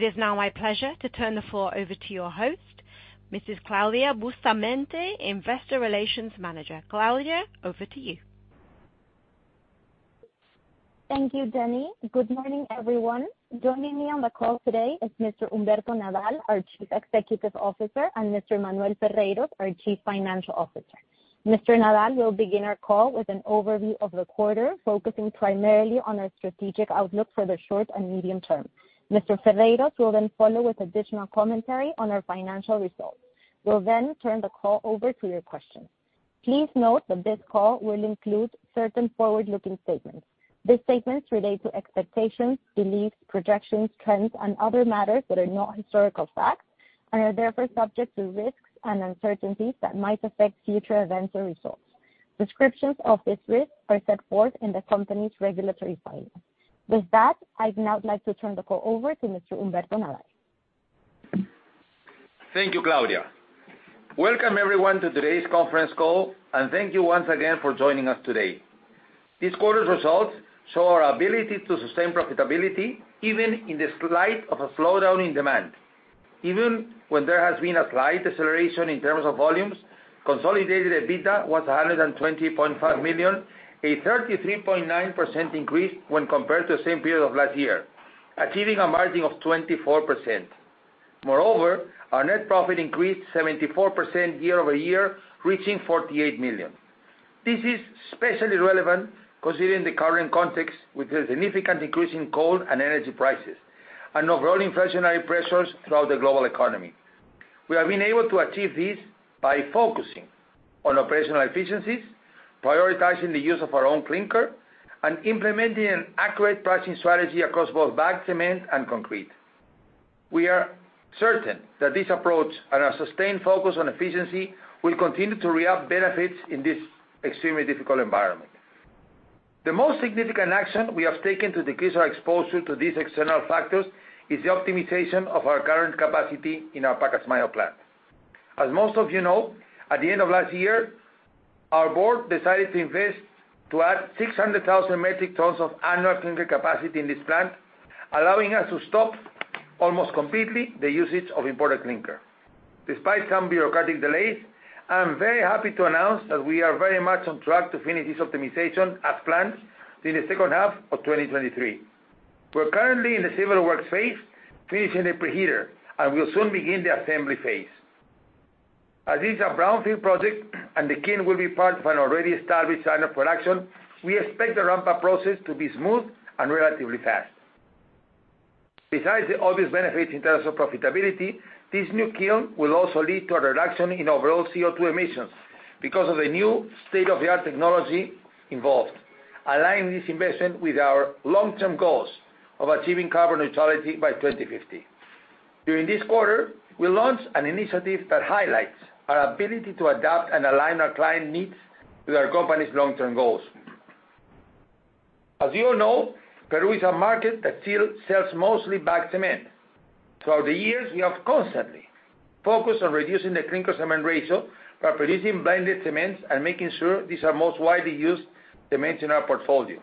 It is now my pleasure to turn the floor over to your host, Mrs. Claudia Bustamante, Investor Relations Manager. Claudia, over to you. Thank you, Jenny. Good morning, everyone. Joining me on the call today is Mr. Humberto Nadal, our Chief Executive Officer, and Mr. Manuel Ferreyros, our Chief Financial Officer. Mr. Nadal will begin our call with an overview of the quarter, focusing primarily on our strategic outlook for the short and medium term. Mr. Ferreyros will then follow with additional commentary on our financial results. We'll then turn the call over to your questions. Please note that this call will include certain forward-looking statements. These statements relate to expectations, beliefs, projections, trends, and other matters that are not historical facts, and are therefore subject to risks and uncertainties that might affect future events or results. Descriptions of these risks are set forth in the company's regulatory filing. With that, I'd now like to turn the call over to Mr. Humberto Nadal. Thank you, Claudia. Welcome everyone to today's conference call, and thank you once again for joining us today. This quarter's results show our ability to sustain profitability even in the light of a slowdown in demand. Even when there has been a slight deceleration in terms of volumes, consolidated EBITDA was PEN 120.5 million, a 33.9% increase when compared to the same period of last year, achieving a margin of 24%. Moreover, our net profit increased 74% year-over-year, reaching PEN 48 million. This is especially relevant considering the current context with the significant increase in coal and energy prices, and overall inflationary pressures throughout the global economy. We have been able to achieve this by focusing on operational efficiencies, prioritizing the use of our own clinker, and implementing an accurate pricing strategy across both bagged cement and concrete. We are certain that this approach and our sustained focus on efficiency will continue to reap benefits in this extremely difficult environment. The most significant action we have taken to decrease our exposure to these external factors is the optimization of our current capacity in our Pacasmayo plant. As most of you know, at the end of last year, our board decided to invest to add 600,000 metric tons of annual clinker capacity in this plant, allowing us to stop almost completely the usage of imported clinker. Despite some bureaucratic delays, I am very happy to announce that we are very much on track to finish this optimization as planned in the second half of 2023. We're currently in the civil works phase, finishing the preheater, and we'll soon begin the assembly phase. As it's a brownfield project and the kiln will be part of an already established line of production, we expect the ramp-up process to be smooth and relatively fast. Besides the obvious benefits in terms of profitability, this new kiln will also lead to a reduction in overall CO2 emissions because of the new state-of-the-art technology involved, aligning this investment with our long-term goals of achieving carbon neutrality by 2050. During this quarter, we launched an initiative that highlights our ability to adapt and align our client needs with our company's long-term goals. As you all know, Peru is a market that still sells mostly bagged cement. Throughout the years, we have constantly focused on reducing the clinker-cement ratio by producing blended cements and making sure these are most widely used cements in our portfolio.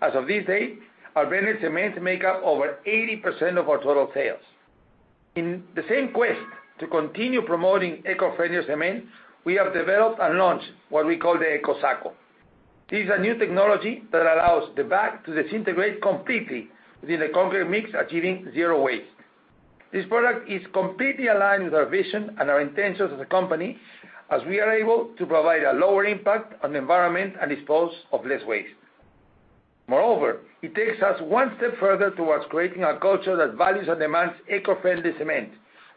As of this day, our blended cements make up over 80% of our total sales. In the same quest to continue promoting eco-friendlier cement, we have developed and launched what we call the EcoSaco. This is a new technology that allows the bag to disintegrate completely within the concrete mix, achieving zero waste. This product is completely aligned with our vision and our intentions as a company, as we are able to provide a lower impact on the environment and dispose of less waste. Moreover, it takes us one step further towards creating a culture that values and demands eco-friendly cement,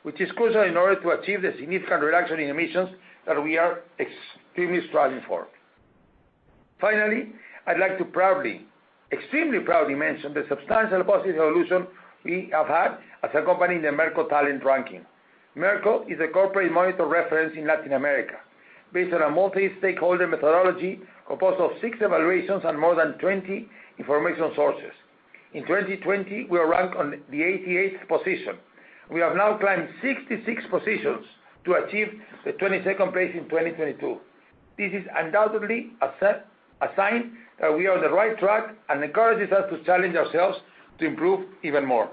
which is crucial in order to achieve the significant reduction in emissions that we are extremely striving for. Finally, I'd like to proudly, extremely proudly mention the substantial positive evolution we have had as a company in the Merco Talent ranking. Merco is a corporate reputation monitor in Latin America based on a multi-stakeholder methodology composed of six evaluations and more than 20 information sources. In 2020, we were ranked on the 88th position. We have now climbed 66 positions to achieve the 22nd place in 2022. This is undoubtedly a sign that we are on the right track and encourages us to challenge ourselves to improve even more.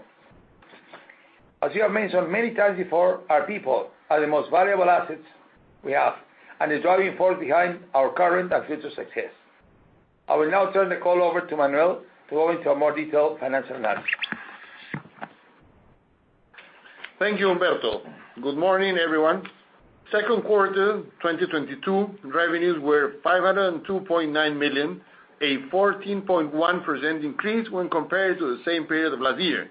As we have mentioned many times before, our people are the most valuable assets we have and the driving force behind our current and future success. I will now turn the call over to Manuel to go into a more detailed financial analysis. Thank you, Humberto. Good morning, everyone. Second quarter 2022 revenues were PEN 502.9 million, a 14.1% increase when compared to the same period of last year,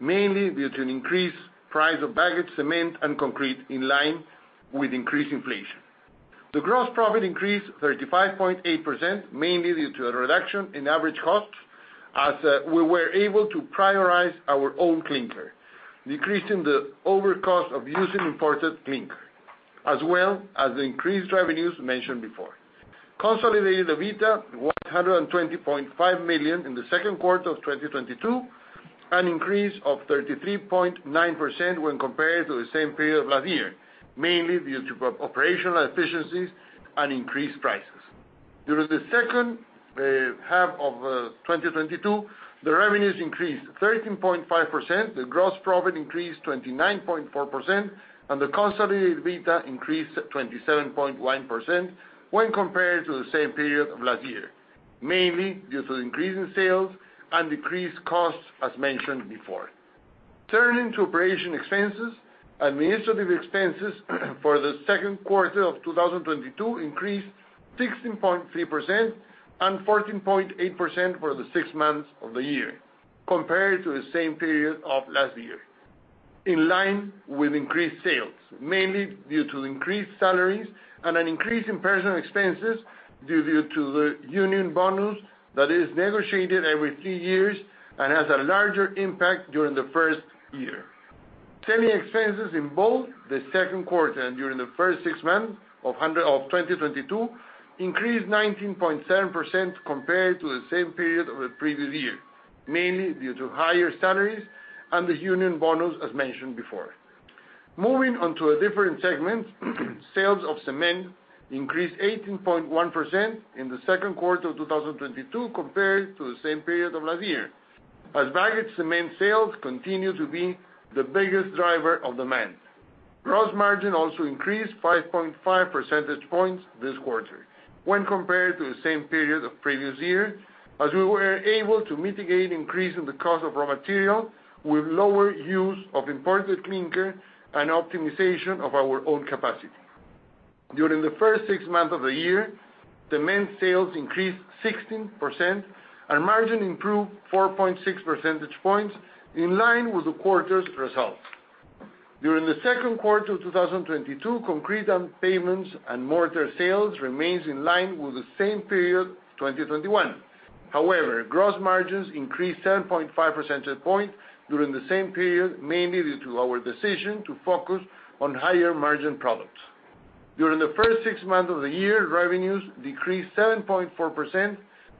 mainly due to an increased price of bagged cement and concrete in line with increased inflation. The gross profit increased 35.8%, mainly due to a reduction in average costs as we were able to prioritize our own clinker, decreasing the overcost of using imported clinker, as well as the increased revenues mentioned before. Consolidated EBITDA was 120.5 million in the second quarter of 2022, an increase of 33.9% when compared to the same period of last year, mainly due to operational efficiencies and increased prices. During the second half of 2022, the revenues increased 13.5%, the gross profit increased 29.4%, and the consolidated EBITDA increased 27.1% when compared to the same period of last year, mainly due to the increase in sales and decreased costs, as mentioned before. Turning to operating expenses, administrative expenses for the second quarter of 2022 increased 16.3% and 14.8% for the six months of the year compared to the same period of last year. In line with increased sales, mainly due to increased salaries and an increase in personal expenses due to the union bonus that is negotiated every three years and has a larger impact during the first year. Selling expenses in both the second quarter and during the first six months of 2022 increased 19.7% compared to the same period of the previous year, mainly due to higher salaries and the union bonus, as mentioned before. Moving on to a different segment, sales of cement increased 18.1% in the second quarter of 2022 compared to the same period of last year, as bagged cement sales continue to be the biggest driver of demand. Gross margin also increased 5.5% points this quarter when compared to the same period of previous year, as we were able to mitigate increase in the cost of raw material with lower use of imported clinker and optimization of our own capacity. During the first six months of the year, cement sales increased 16%, and margin improved 4.6% points in line with the quarter's results. During the second quarter of 2022, concrete and pavements and mortar sales remains in line with the same period 2021. However, gross margins increased 7.5% points during the same period, mainly due to our decision to focus on higher-margin products. During the first six months of the year, revenues decreased 7.4%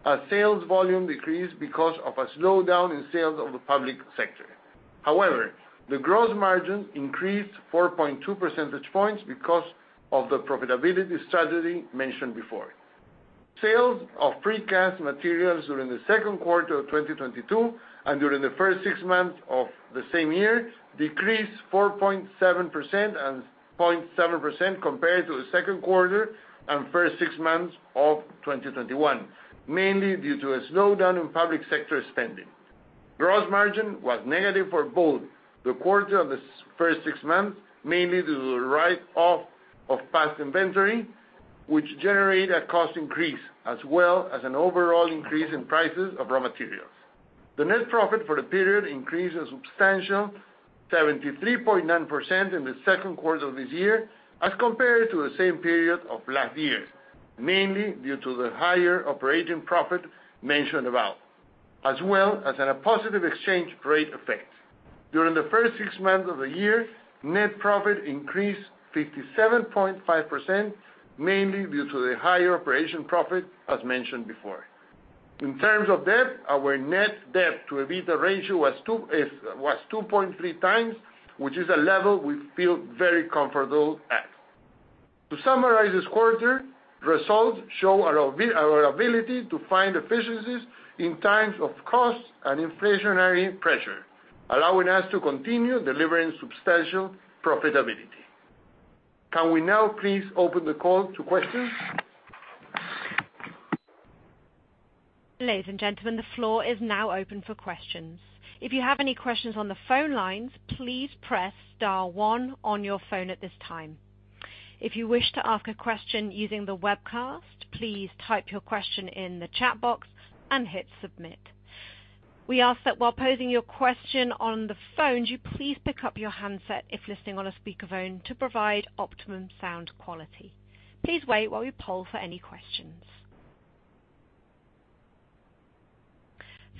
as sales volume decreased because of a slowdown in sales of the public sector. However, the gross margin increased 4.2 percentage points because of the profitability strategy mentioned before. Sales of precast materials during the second quarter of 2022 and during the first six months of the same year decreased 4.7% and 0.7% compared to the second quarter and first six months of 2021, mainly due to a slowdown in public sector spending. Gross margin was negative for both the quarter and the first six months, mainly due to the write-off of past inventory, which generate a cost increase, as well as an overall increase in prices of raw materials. The net profit for the period increased a substantial 73.9% in the second quarter of this year as compared to the same period of last year, mainly due to the higher operating profit mentioned above, as well as a positive exchange rate effect. During the first six months of the year, net profit increased 57.5%, mainly due to the higher operating profit, as mentioned before. In terms of debt, our net debt to EBITDA ratio was 2.3 times, which is a level we feel very comfortable at. To summarize this quarter, results show our ability to find efficiencies in times of cost and inflationary pressure, allowing us to continue delivering substantial profitability. Can we now please open the call to questions? Ladies and gentlemen, the floor is now open for questions. If you have any questions on the phone lines, please press star one on your phone at this time. If you wish to ask a question using the webcast, please type your question in the chat box and hit Submit. We ask that while posing your question on the phone, you please pick up your handset if listening on a speakerphone to provide optimum sound quality. Please wait while we poll for any questions.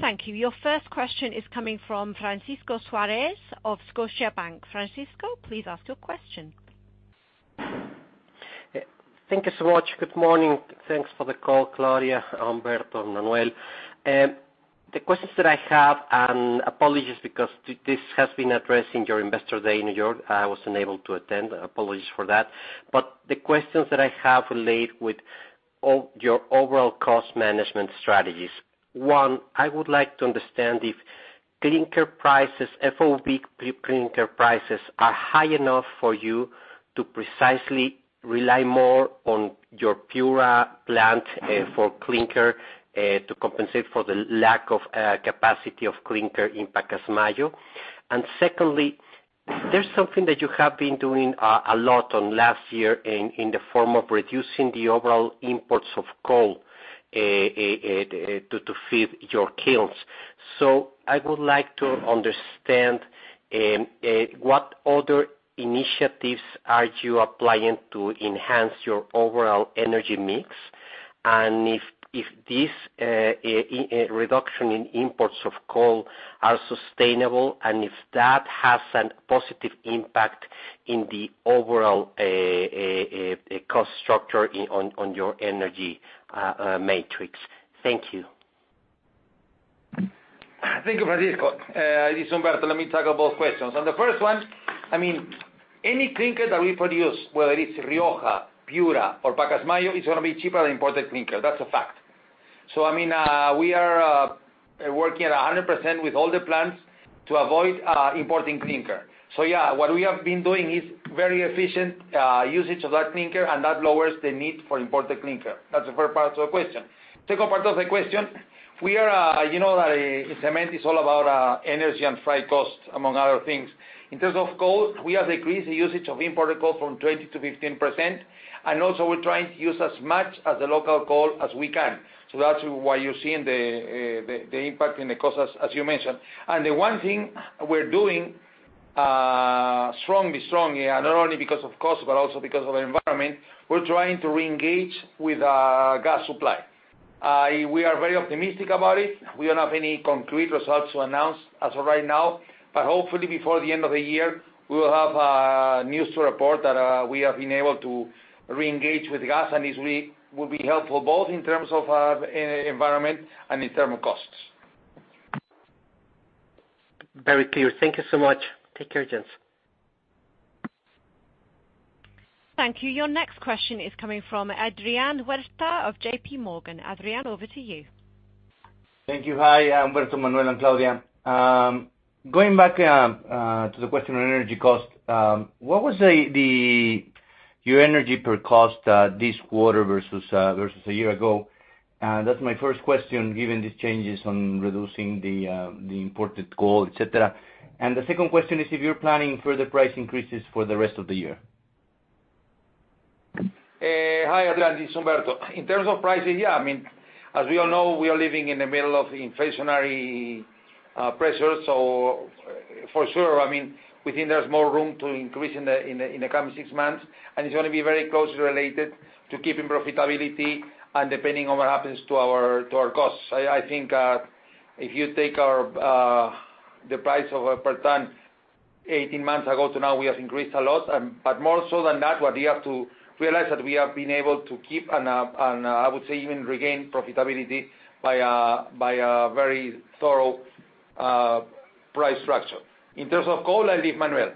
Thank you. Your first question is coming from Francisco Suarez of Scotiabank. Francisco, please ask your question. Thank you so much. Good morning. Thanks for the call, Claudia, Humberto, Manuel. The questions that I have, and apologies because this has been addressed in your investor day in New York. I was unable to attend. Apologies for that. The questions that I have relate with your overall cost management strategies. One, I would like to understand if clinker prices, FOB clinker prices, are high enough for you to precisely rely more on your Piura plant for clinker to compensate for the lack of capacity of clinker in Pacasmayo. Secondly, there's something that you have been doing a lot on last year in the form of reducing the overall imports of coal to feed your kilns. I would like to understand what other initiatives are you applying to enhance your overall energy mix? If this reduction in imports of coal are sustainable and if that has a positive impact in the overall cost structure on your energy matrix? Thank you. Thank you, Francisco. This is Humberto. Let me tackle both questions. On the first one, I mean, any clinker that we produce, whether it's Rioja, Piura or Pacasmayo, it's gonna be cheaper than imported clinker. That's a fact. We are working at 100% with all the plants to avoid importing clinker. Yeah, what we have been doing is very efficient usage of that clinker, and that lowers the need for imported clinker. That's the first part of the question. Second part of the question, we are, you know that cement is all about energy and freight costs, among other things. In terms of cost, we have decreased the usage of imported coal from 20% to 15%, and also we're trying to use as much of the local coal as we can. That's why you're seeing the impact in the costs as you mentioned. The one thing we're doing strongly, and not only because of cost, but also because of the environment, we're trying to re-engage with gas supply. We are very optimistic about it. We don't have any concrete results to announce as of right now, but hopefully before the end of the year, we will have news to report that we have been able to re-engage with gas and this will be helpful both in terms of environment and in terms of costs. Very clear. Thank you so much. Take care, gents. Thank you. Your next question is coming from Adrian Huerta of JPMorgan. Adrian, over to you. Thank you. Hi, Humberto, Manuel, and Claudia. Going back to the question on energy cost, what was your energy cost this quarter versus a year ago? That's my first question, given these changes on reducing the imported coal, et cetera. The second question is if you're planning further price increases for the rest of the year. Hi, Adrian. It's Humberto. In terms of pricing, yeah, I mean, as we all know, we are living in the middle of inflationary pressures. For sure, I mean, we think there's more room to increase in the coming six months, and it's gonna be very closely related to keeping profitability and depending on what happens to our costs. I think if you take our the price per ton 18 months ago to now, we have increased a lot, but more so than that, what you have to realize that we have been able to keep and I would say even regain profitability by a very thorough price structure. In terms of coal, I leave Manuel.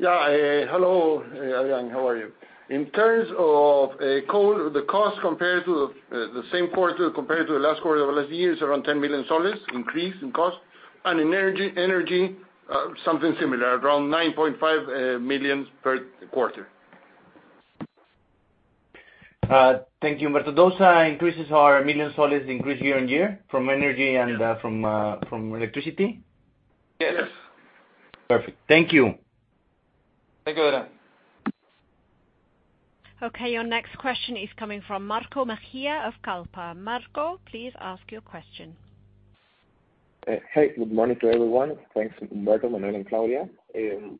Yeah. Hello, Adrian. How are you? In terms of coal, the cost compared to the same quarter compared to the last quarter of last year is around PEN 10 million increase in cost. In energy, something similar, around PEN 9.5 million per quarter. Thank you. Those increases are PEN 1 million increase year-over-year from energy and from electricity? Yes. Perfect. Thank you. Thank you, Adrian. Okay, your next question is coming from Marco Mejía of Kallpa. Marco, please ask your question. Hey, good morning to everyone. Thanks, Humberto, Manuel, and Claudia.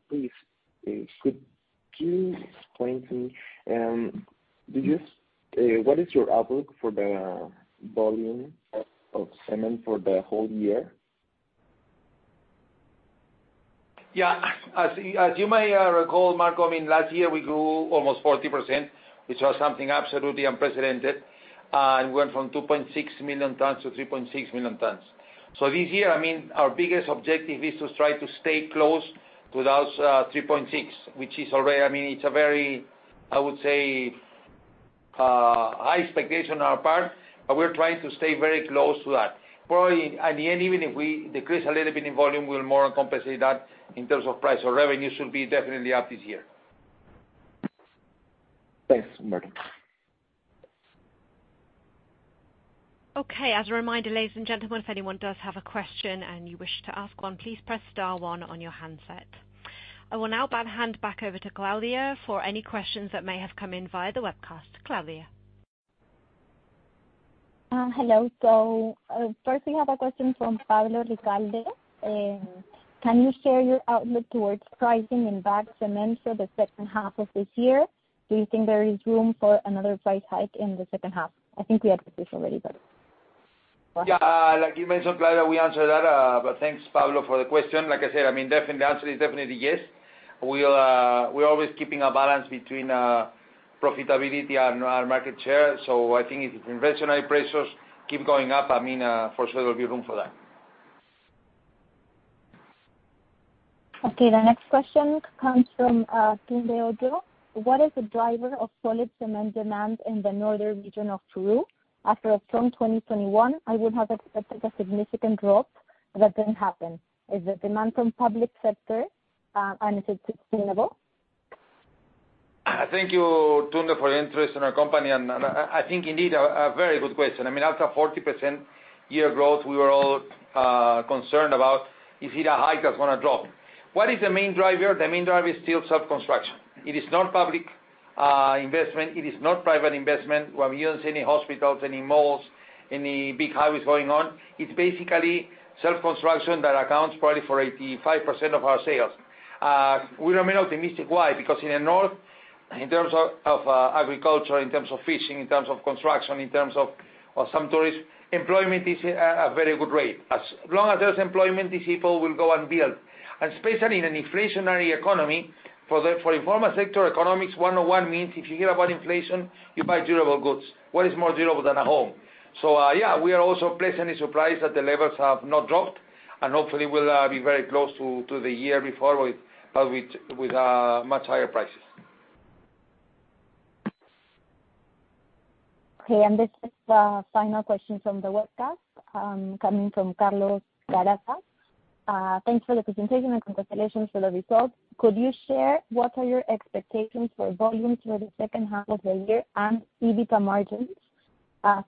Please, could you explain to me what is your outlook for the volume of cement for the whole year? Yeah. As you may recall, Marco, I mean, last year we grew almost 40%, which was something absolutely unprecedented. It went from 2.6 million tons to 3.6 million tons. This year, I mean, our biggest objective is to try to stay close to those 3.6, which is already, I mean, it's a very, I would say, high expectation on our part, but we're trying to stay very close to that. Probably in the end, even if we decrease a little bit in volume, we'll more compensate that in terms of price, so revenues should be definitely up this year. Thanks, Humberto. Okay. As a reminder, ladies and gentlemen, if anyone does have a question and you wish to ask one, please press star one on your handset. I will now hand back over to Claudia for any questions that may have come in via the webcast. Claudia. Hello. First we have a question from Pablo Ricalde. Can you share your outlook towards pricing in bagged cement for the second half of this year? Do you think there is room for another price hike in the second half? I think we had this already, but. Yeah. Like you mentioned, Claudia, we answered that. Thanks, Pablo, for the question. Like I said, I mean, definitely, the answer is yes. We're always keeping a balance between profitability and our market share. I think if inflationary pressures keep going up, I mean, for sure there'll be room for that. Okay. The next question comes from Tunde Ojo. What is the driver of solid cement demand in the northern region of Peru? After a strong 2021, I would have expected a significant drop, but that didn't happen. Is the demand from public sector, and is it sustainable? Thank you, Tunde, for your interest in our company. I think indeed a very good question. I mean, after 40% year-over-year growth, we were all concerned about if it is high, that's gonna drop. What is the main driver? The main driver is still self-construction. It is not public investment. It is not private investment. We haven't seen any hospitals, any malls, any big highways going on. It's basically self-construction that accounts probably for 85% of our sales. We remain optimistic. Why? Because in the north, in terms of agriculture, in terms of fishing, in terms of construction, in terms of some tourism, employment is at a very good rate. As long as there's employment, these people will go and build. Especially in an inflationary economy, for the informal sector, Economics 101 means if you hear about inflation, you buy durable goods. What is more durable than a home? Yeah, we are also pleasantly surprised that the levels have not dropped, and hopefully we'll be very close to the year before with much higher prices. Okay. This is the final question from the webcast, coming from Carlos Carazas. Thanks for the presentation and congratulations for the results. Could you share what are your expectations for volume through the second half of the year and EBITDA margins?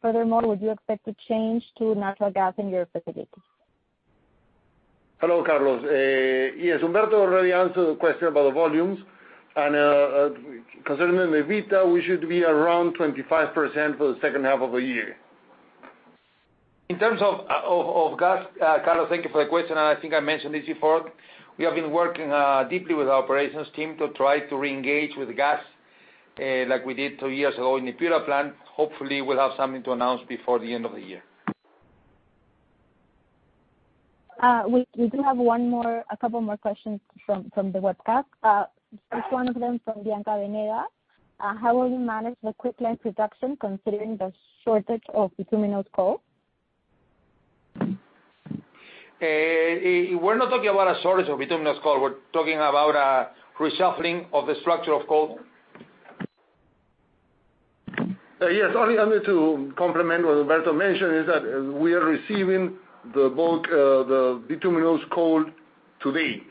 Furthermore, would you expect to change to natural gas in your facilities? Hello, Carlos. Yes, Humberto already answered the question about the volumes. Concerning the EBITDA, we should be around 25% for the second half of the year. In terms of gas, Carlos, thank you for the question. I think I mentioned this before. We have been working deeply with our operations team to try to reengage with gas, like we did two years ago in the Piura plant. Hopefully, we'll have something to announce before the end of the year. We do have a couple more questions from the webcast. First one of them from Bianca Renedo. How will you manage the quick lime production considering the shortage of bituminous coal? We're not talking about a shortage of bituminous coal. We're talking about a reshuffling of the structure of coal. Yes. Only I need to complement what Humberto Nadal mentioned, that we are receiving the bulk, the bituminous coal today.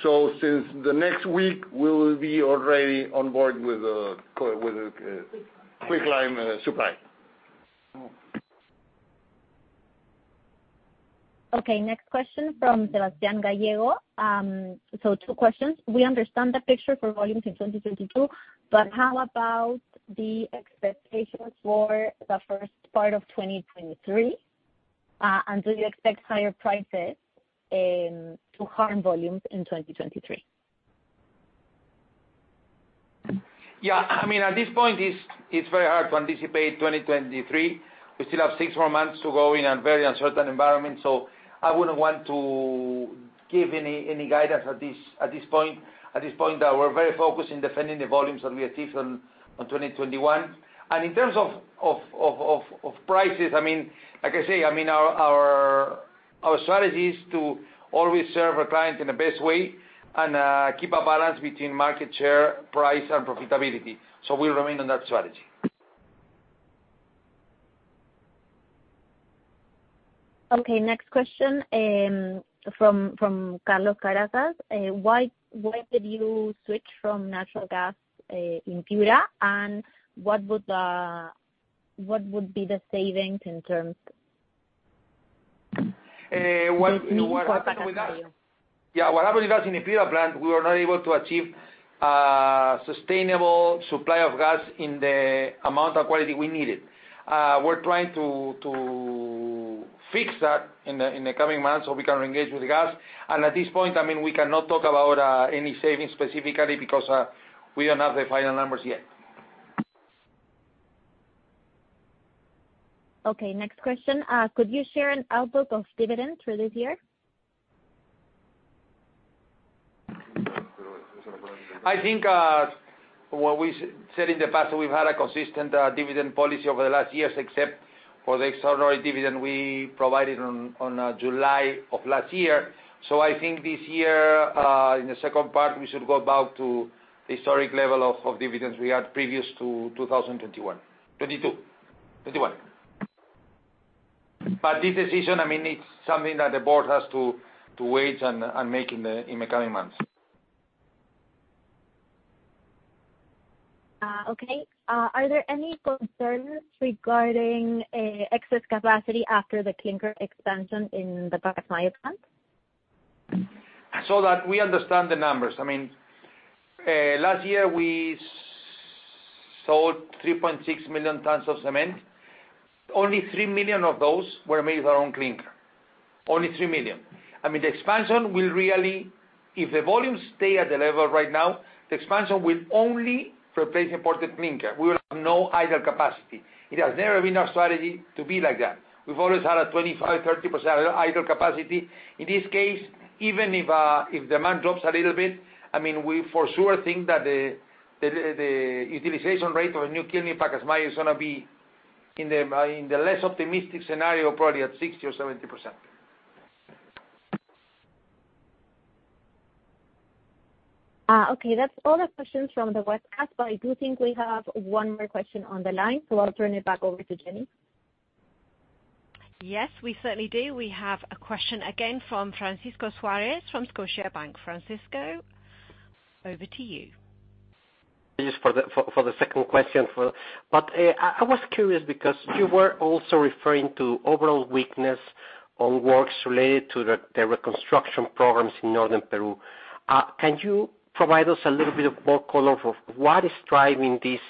Since the next week, we will be already on board with quick lime supply. Okay. Next question from Sebastián Gallego. Two questions. We understand the picture for volumes in 2022, but how about the expectations for the first part of 2023? Do you expect higher prices to harm volumes in 2023? Yeah. I mean, at this point, it's very hard to anticipate 2023. We still have six more months to go in a very uncertain environment, so I wouldn't want to give any guidance at this point. At this point, we're very focused in defending the volumes that we achieved on 2021. In terms of prices, I mean, like I say, I mean, our strategy is to always serve our clients in the best way and keep a balance between market share, price, and profitability. We remain on that strategy. Okay. Next question, from Carlos Carazas. Why did you switch from natural gas in Piura? What would be the savings in terms- Well, you know what happened with that. The need for natural gas. Yeah. What happened with gas in the Piura plant, we were not able to achieve sustainable supply of gas in the amount and quality we needed. We're trying to fix that in the coming months so we can reengage with the gas. At this point, I mean, we cannot talk about any savings specifically because we don't have the final numbers yet. Okay. Next question. Could you share an outlook of dividends for this year? I think what we said in the past, we've had a consistent dividend policy over the last years, except for the extraordinary dividend we provided on July of last year. I think this year, in the second part, we should go back to the historic level of dividends we had previous to 2021. This decision, I mean, it's something that the board has to weigh and make in the coming months. Are there any concerns regarding excess capacity after the clinker expansion in the Pacasmayo plant? That we understand the numbers, I mean, last year we sold 3.6 million tons of cement. Only 3 million of those were made with our own clinker. Only 3 million. I mean, the expansion will really. If the volumes stay at the level right now, the expansion will only replace imported clinker. We will have no idle capacity. It has never been our strategy to be like that. We've always had a 25-30% idle capacity. In this case, even if demand drops a little bit, I mean, we for sure think that the utilization rate of a new kiln in Pacasmayo is gonna be in the less optimistic scenario, probably at 60% or 70%. Okay. That's all the questions from the webcast, but I do think we have one more question on the line, so I'll turn it back over to Jenny. Yes, we certainly do. We have a question again from Francisco Suarez from Scotiabank. Francisco, over to you. I was curious because you were also referring to overall weakness on works related to the reconstruction programs in northern Peru. Can you provide us a little bit more color for what is driving these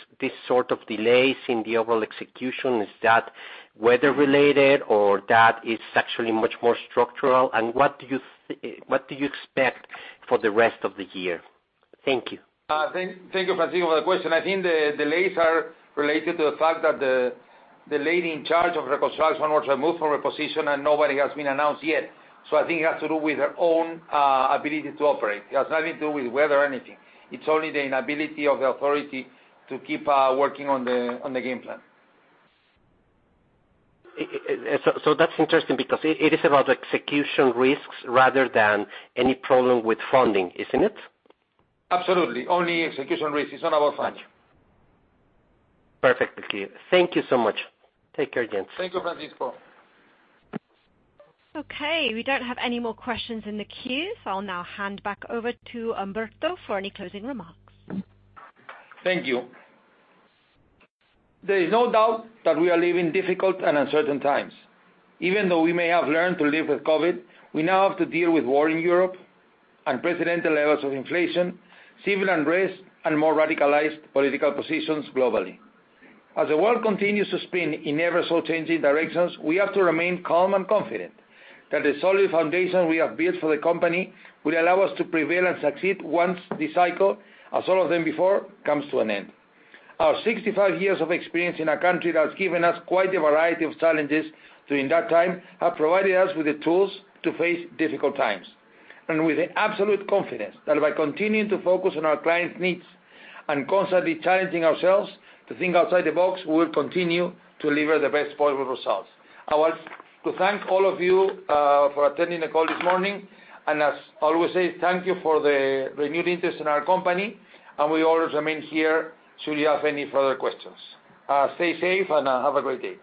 sort of delays in the overall execution? Is that weather related or that is actually much more structural? What do you expect for the rest of the year? Thank you, Francisco, for the question. I think the delays are related to the fact that the lady in charge of reconstruction was removed from her position and nobody has been announced yet. I think it has to do with her own ability to operate. It has nothing to do with weather or anything. It's only the inability of the authority to keep working on the game plan. That's interesting because it is about execution risks rather than any problem with funding, isn't it? Absolutely. Only execution risk. It's all about funding. Perfect. Okay. Thank you so much. Take care, gents. Thank you, Francisco. Okay. We don't have any more questions in the queue, so I'll now hand back over to Humberto for any closing remarks. Thank you. There is no doubt that we are living difficult and uncertain times. Even though we may have learned to live with COVID, we now have to deal with war in Europe, unprecedented levels of inflation, civil unrest, and more radicalized political positions globally. As the world continues to spin in ever so changing directions, we have to remain calm and confident that the solid foundation we have built for the company will allow us to prevail and succeed once this cycle, as all of them before, comes to an end. Our 65 years of experience in a country that has given us quite a variety of challenges during that time have provided us with the tools to face difficult times. With the absolute confidence that by continuing to focus on our clients' needs and constantly challenging ourselves to think outside the box, we will continue to deliver the best possible results. I want to thank all of you for attending the call this morning. As I always say, thank you for the renewed interest in our company, and we always remain here should you have any further questions. Stay safe and have a great day.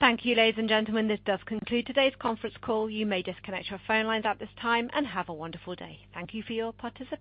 Thank you, ladies and gentlemen. This does conclude today's conference call. You may disconnect your phone lines at this time, and have a wonderful day. Thank you for your participation.